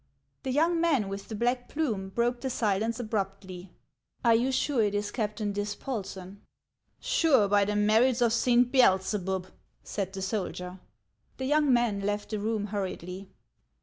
The young man with the black plume broke the silence abruptly :" Are you sure it is Captain Dispolsen ?" 3 o4 HANS OF ICELAND. "Sure, by the merits of Saint Beelzebub!" said the soldier. The young man left the room hurriedly.